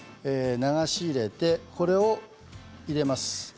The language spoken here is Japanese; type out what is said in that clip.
流し入れて、これを入れます。